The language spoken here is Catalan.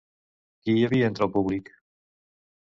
Qui hi havia entre el públic?